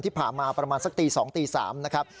ที่ผ่านมาประมาณสักตี๒ตี๓นะครับ